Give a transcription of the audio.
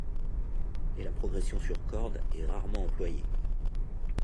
Et la progression sur corde est rarement employée.